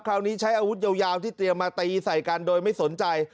คราวนี้ใช้อาวุธยาวที่เตรียมมาตีใส่กันโดยไม่สนใจ